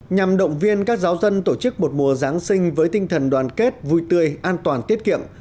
nhằm động viên các giáo dân tổ chức một mùa giáng sinh với tinh thần đoàn kết vui tươi an toàn tiết kiệm